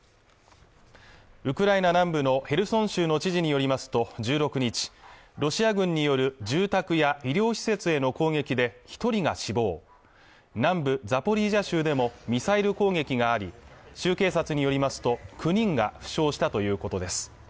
ウクライナ南部のヘルソン州の知事によりますと１６日ロシア軍による住宅や医療施設への攻撃で一人が死亡南部ザポリージャ州でもミサイル攻撃があり州警察によりますと９人が負傷したということです